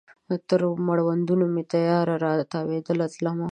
تر مړوندونو مې تیاره را تاویدله تلمه